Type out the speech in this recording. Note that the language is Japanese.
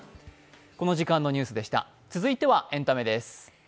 続いてはエンタメです。